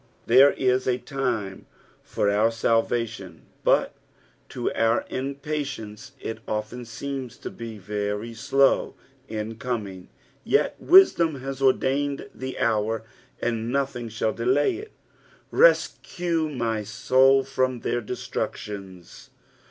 There ia a time for our salvation, but to onr impatience it often seems to bn ivry ibw in coming ; yet wisdom has ordained the hour, and nothing shall delay it, " Beteue my tout from their destruetiont."